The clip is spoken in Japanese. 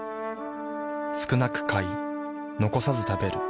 少なく買い残さず食べる。